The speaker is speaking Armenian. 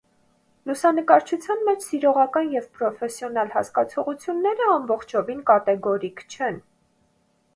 Լուսանկարչության մեջ սիրողական և պրոֆեսիոնալ հասկացությունները ամբողջովին կատեգորիկ չեն։